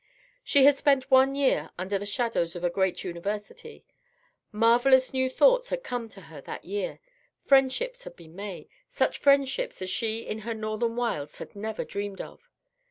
She had spent one year under the shadows of a great university. Marvelous new thoughts had come to her that year. Friendships had been made, such friendships as she in her northern wilds had never dreamed of.